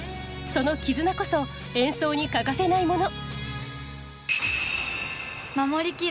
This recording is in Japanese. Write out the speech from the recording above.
その絆こそ演奏に欠かせないもの。